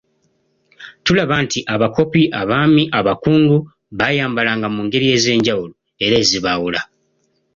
Tulaba nti, abakopi, abaami, abakungu, bayambalanga mu ngeri ez‘enjawulo era ezibaawula.